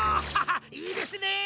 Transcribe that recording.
いいですね！